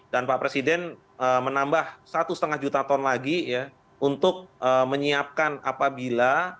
dan pak presiden menambah rp satu lima juta ton lagi untuk menyiapkan apabila